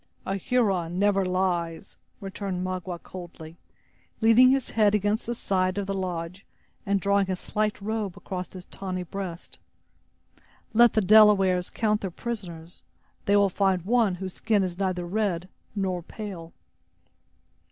"A Huron never lies!" returned Magua, coldly, leaning his head against the side of the lodge, and drawing his slight robe across his tawny breast. "Let the Delawares count their prisoners; they will find one whose skin is neither red nor pale."